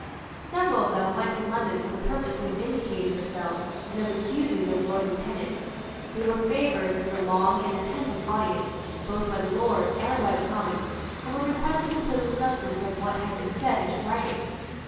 Several of them went to London for the purpose of vindicating themselves and of accusing the Lord Lieutenant. They were favoured with a long and attentive audience, both by the Lords and by the Commons, and were requested to put the substance of what had been said into writing.